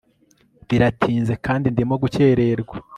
Biratinze kandi ndimo gukererwa